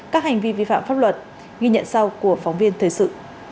các hành vi vi phạm pháp luật ghi nhận sau của phóng viên thời sự